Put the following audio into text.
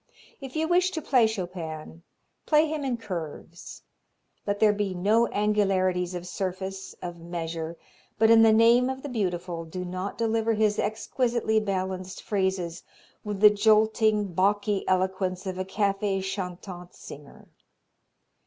If you wish to play Chopin, play him in curves; let there be no angularities of surface, of measure, but in the name of the Beautiful do not deliver his exquisitely balanced phrases with the jolting, balky eloquence of a cafe chantant singer.